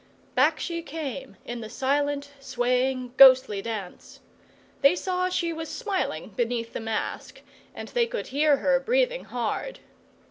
Back she came in the silent, swaying, ghostly dance. They saw she was smiling beneath the mask, and they could hear her breathing hard.